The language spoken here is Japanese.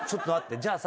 じゃあさ。